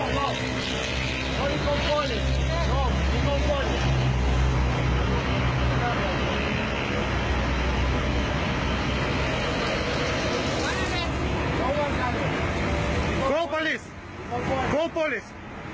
โปรลีสโปรลีส